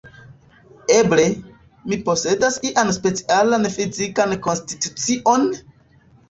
Eble, mi posedas ian specialan fizikan konstitucion?